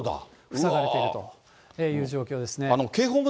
塞がれているというような状況ですね。